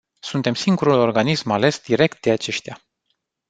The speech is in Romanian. Suntem singurul organism ales direct de aceștia.